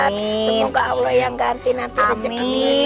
semoga allah yang ganti nanti